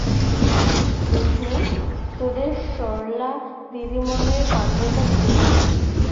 রোশনি, তোদের সরলা দিদিমণির কাণ্ডটা দেখলি?